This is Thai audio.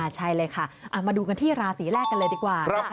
ใช่เลยค่ะมาดูกันที่ราศีแรกกันเลยดีกว่านะคะ